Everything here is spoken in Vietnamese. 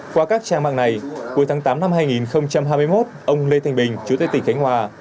qua các trang mạng này cuối tháng tám năm hai nghìn hai mươi một ông lê thanh bình chủ tịch tỉnh khánh hòa